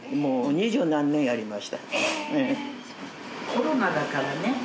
コロナだからね。